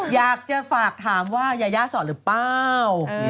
อยากจะฝากถามว่ายายาสอนหรือเปล่า